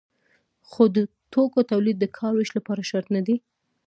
خو د توکو تولید د کار ویش لپاره شرط نه دی.